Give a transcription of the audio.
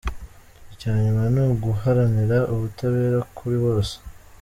Icya nyuma ni uguharanira ubutabera kuri bose.